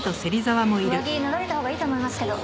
上着脱がれたほうがいいと思いますけど。